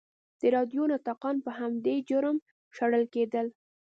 د راډیو نطاقان به په همدې جرم شړل کېدل.